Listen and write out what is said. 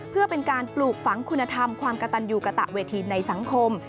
เพื่อเป็นการปลูกฝังคุณธรรมความกระตันยูกระตะเวทีในสังคม